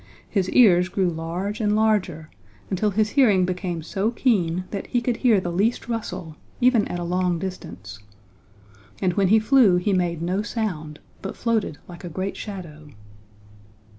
His ears grew large and larger until his hearing became so keen that he could hear the least rustle, even at a long distance. And when he flew he made no sound, but floated like a great shadow.